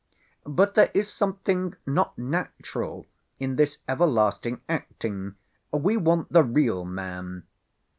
"But there is something not natural in this everlasting acting; we want the real man."